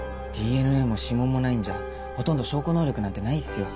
ＤＮＡも指紋もないんじゃほとんど証拠能力なんてないっすよ。